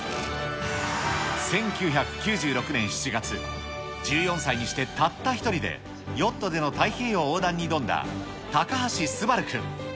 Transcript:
１９９６年７月、１４歳にしてたった１人でヨットでの太平洋横断に挑んだ高橋素晴君。